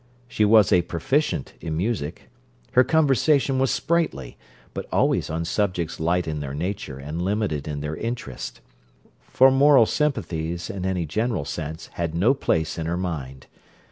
She was a proficient in music. Her conversation was sprightly, but always on subjects light in their nature and limited in their interest: for moral sympathies, in any general sense, had no place in her mind.